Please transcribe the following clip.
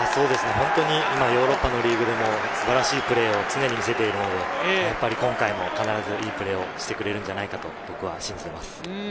本当に今ヨーロッパのリーグでも素晴らしいプレーを常に見せているので、やっぱり今回も必ずいいプレーをしてくれるんじゃないかなと、僕は信じています。